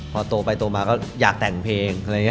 พอตดไปตดมาก็อยากแต่งเพลง